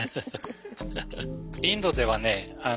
インドではね